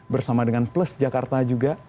bersama dengan plus jakarta juga